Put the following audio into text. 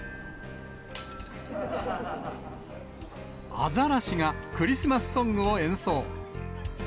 アザラシが、クリスマスソングを演奏。